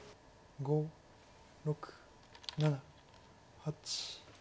５６７８。